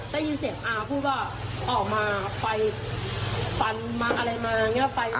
ได้ยินเสียงอาพูดว่าออกมาไฟฟันมาอะไรมา